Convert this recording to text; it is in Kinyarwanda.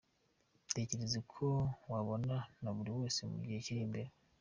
Tekereza uko wabana na buri wese mu gihe kiri imbere